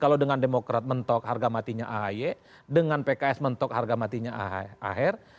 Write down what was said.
kalau dengan demokrat mentok harga matinya ahy dengan pks mentok harga matinya aher